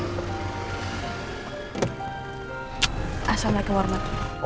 assalamu'alaikum warahmatullahi wabarakatuh